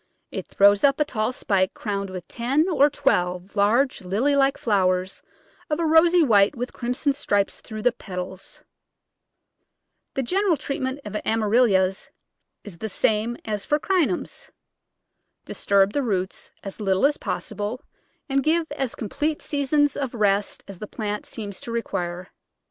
It throws up a tall spike crowned with ten or twelve large, lily like flow ers of a rosy white with crimson stripes through the petals. The general treatment of Amaryllis is the same as for Crinums. Disturb the roots as little as possible, and give as complete seasons of rest as the plant seems to require.